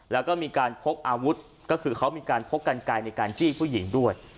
แล้วก็มีการพกอาวุธก็คือเขามีการพกกันไกลในการจี้ผู้หญิงด้วย